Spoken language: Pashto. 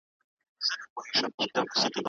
ولي لېواله انسان د لایق کس په پرتله هدف ترلاسه کوي؟